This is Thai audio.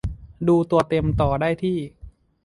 ดูตัวเต็มต่อได้ที่